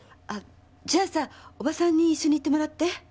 じゃあさおばさんに一緒に行ってもらって。